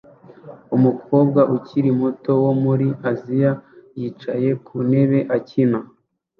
Umukobwa ukiri muto wo muri Aziya yicaye ku ntebe akina